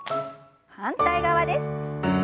反対側です。